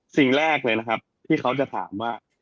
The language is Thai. สิ่งแรกเลยนะครับที่เขาจะถามว่า